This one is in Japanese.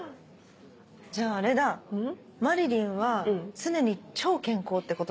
じゃああれだまりりんは常に超健康ってことだ。